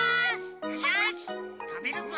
よしたべるぞ。